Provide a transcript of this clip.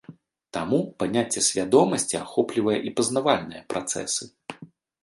Таму паняцце свядомасці ахоплівае і пазнавальныя працэсы.